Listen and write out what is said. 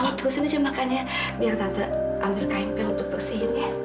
biar tante ambil kain pil untuk bersihin ya